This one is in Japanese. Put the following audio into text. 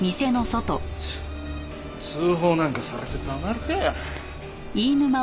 通報なんかされてたまるかよ。